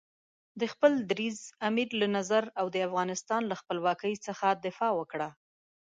د خپل دریځ، امیر له نظر او د افغانستان له خپلواکۍ څخه دفاع وکړه.